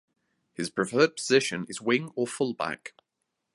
His preferred position is wing or Fullback.